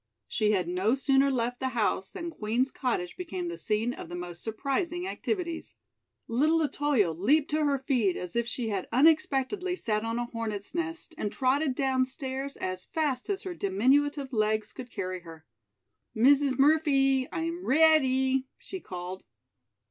She had no sooner left the house than Queen's Cottage became the scene of the most surprising activities. Little Otoyo leaped to her feet as if she had unexpectedly sat on a hornet's nest and trotted downstairs as fast as her diminutive legs could carry her. "Mrs. Murphee, I am readee," she called.